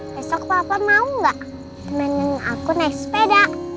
besok papa mau gak temenin aku naik sepeda